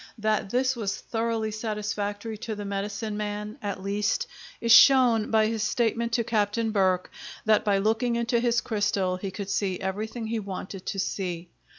That this was thoroughly satisfactory to the medicine man at least, is shown by his statement to Capt. Burke that by looking into his crystal he could see everything he wanted to see.